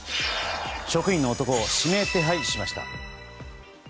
職員の男を指名手配しました。